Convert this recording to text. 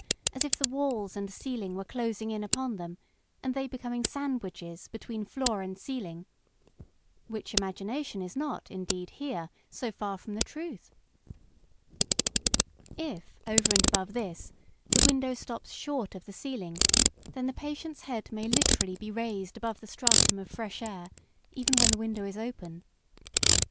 as if the walls and ceiling were closing in upon them, and they becoming sandwiches between floor and ceiling, which imagination is not, indeed, here so far from the truth? If, over and above this, the window stops short of the ceiling, then the patient's head may literally be raised above the stratum of fresh air, even when the window is open.